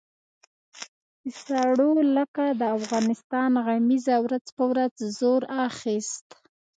د سړو لکه د افغانستان غمیزه ورځ په ورځ زور اخیست.